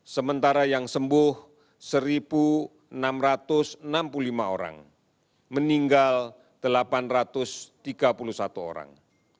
sementara yang sembuh satu enam ratus enam puluh lima orang meninggal delapan ratus tiga puluh satu orang